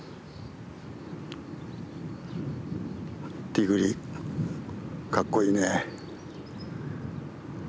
ティグリかっこいいね。